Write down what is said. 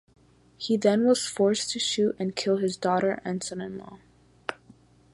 He then was forced to shoot and kill his daughter and son-in-law.